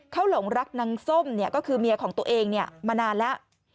เขาหลงรักนางส้มก็คือเมียของตัวเองมานานแล้ว